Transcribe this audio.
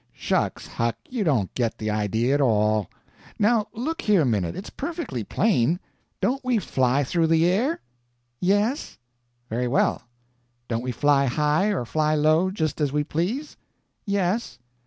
"Shucks, Huck, you don't get the idea at all. Now look here a minute—it's perfectly plain. Don't we fly through the air?" "Yes." "Very well. Don't we fly high or fly low, just as we please?" "Yes."